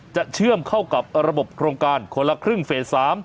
เชื่อมเข้ากับระบบโครงการคนละครึ่งเฟส๓